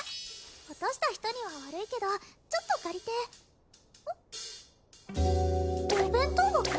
落とした人には悪いけどちょっと借りてお弁当箱？